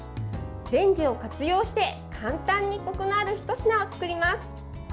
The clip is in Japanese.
レンジを活用して、簡単にこくのあるひと品を作ります。